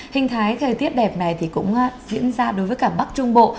hình thái thời tiết đẹp này thì cũng diễn ra đối với cả bắc trung bộ